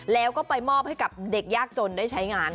แล้วก็ไปมอบให้กับเด็กยากจนได้ใช้งาน